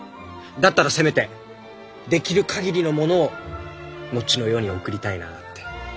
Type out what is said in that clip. だったらせめてできる限りのものを後の世に送りたいなって。